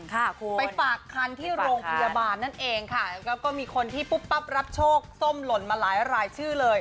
ค่ะคุณไปฝากคันที่โรงพยาบาลนั่นเองค่ะแล้วก็มีคนที่ปุ๊บปั๊บรับโชคส้มหล่นมาหลายรายชื่อเลย